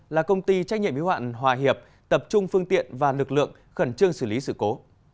là công ty trách nhiệm y hoạn hòa hiệp tập trung phương tiện và lực lượng khẩn trương xử lý sự cố